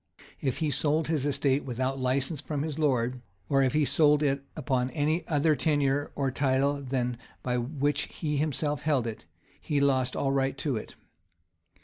[] If he sold his estate without license from his lord,[] or if he sold it upon any other tenure or title than that by which he himself held it,[] he lost all right to it.